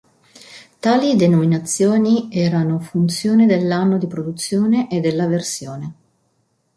Tali denominazioni erano funzione dell'anno di produzione e della versione.